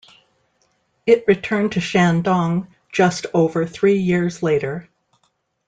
It returned to Shandong just over three years later.